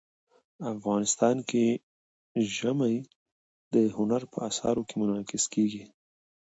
افغانستان کې ژمی د هنر په اثار کې منعکس کېږي.